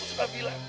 aku sudah bilang